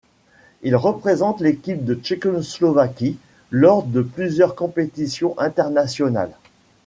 Il représente l'équipe de Tchécoslovaquie lors de plusieurs compétitions internationales.